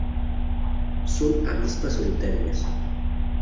Son avispas solitarias.